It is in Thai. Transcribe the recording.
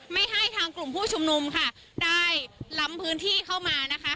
ไม่ให้ทางกลุ่มผู้ชุมนุมค่ะได้ล้ำพื้นที่เข้ามานะคะ